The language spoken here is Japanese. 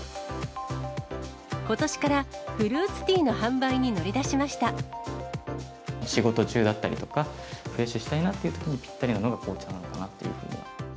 ことしからフルーツティーの販売仕事中だったりとか、リフレッシュしたいなというときにぴったりなのが紅茶なのかなと。